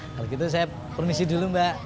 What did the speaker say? kalau gitu saya permisi dulu mbak